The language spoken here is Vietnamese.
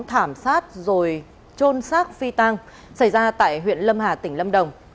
thảm sát rồi trôn xác phi tăng xảy ra tại huyện lâm hà tỉnh lâm đồng